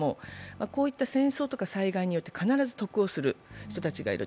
こういった戦争とか災害によって必ず特をする人が出てくる。